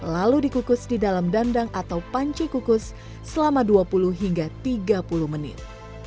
lalu dikukus di dalam dandang atau panci kukus selama dua puluh hingga tiga puluh menit